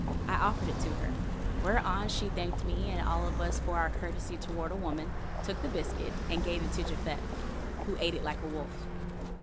I offered it to her, whereon she thanked me and all of us for our courtesy toward a woman, took the biscuit, and gave it to Japhet, who ate it like a wolf.